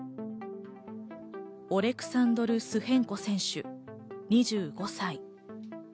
オレクサンドル・スヘンコ選手、２５歳。